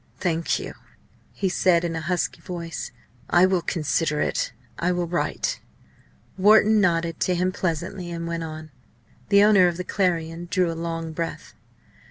"Thank you," he said, in a husky voice. "I will consider, I will write." Wharton nodded to him pleasantly, and he went. The owner of the Clarion drew a long breath.